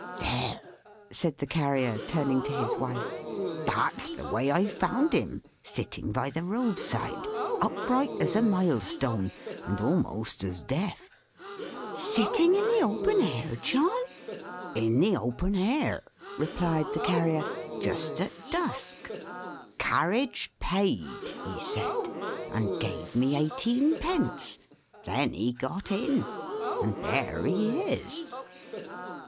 "There!" said the Carrier, turning to his wife. "That's the way I found him, sitting by the roadside! upright as a milestone. And almost as deaf." "Sitting in the open air, John!" "In the open air," replied the Carrier, "just at dusk. 'Carriage Paid,' he said; and gave me eighteenpence. Then he got in. And there he is."